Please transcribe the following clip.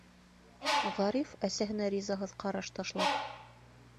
Ғариф, әсәһенә ризаһыҙ ҡараш ташлап: